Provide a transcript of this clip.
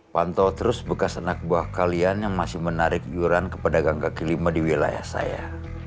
pantau terus bekas anak buah kalian yang masih menarik yuran kepada gangka kelima di wilayah saya